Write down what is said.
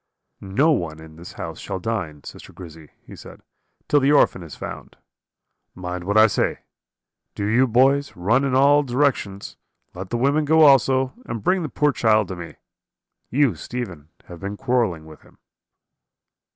"'No one in the house shall dine, sister Grizzy,' he said, 'till the orphan is found. Mind what I say. Do you, boys, run in all directions; let the women go also, and bring the poor child to me. You, Stephen, have been quarrelling with him.'